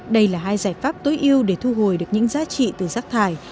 đây là hai giải pháp tối ưu để thu hồi được những giá trị từ rác thải